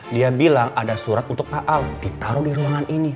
dia bilang ada surat untuk pak al ditaruh di ruangan ini